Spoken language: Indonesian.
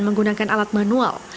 menggunakan alat manual